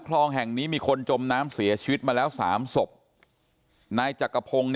คลองแห่งนี้มีคนจมน้ำเสียชีวิตมาแล้วสามศพนายจักรพงศ์